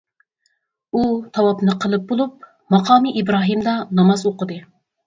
ئۇ تاۋاپنى قىلىپ بولۇپ, ماقامى ئىبراھىمدا ناماز ئوقۇدى.